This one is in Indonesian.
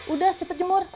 udah cepet jemur